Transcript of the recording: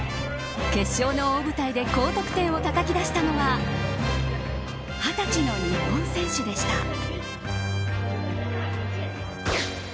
決勝の大舞台で高得点をたたき出したのは２０歳の日本選手でした。